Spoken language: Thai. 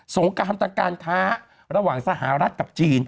งกรรมทางการค้าระหว่างสหรัฐกับจีน